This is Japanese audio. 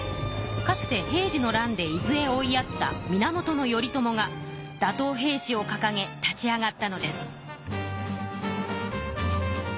かつて平治の乱で伊豆へ追いやった源頼朝が打とう平氏をかかげ立ち上がったのです。